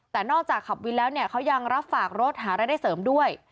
แต่นอกจากขับวินแล้วเนี่ยเขายังรับฝากรถหารายได้เสริมด้วย